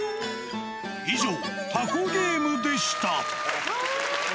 以上、タコゲームでした。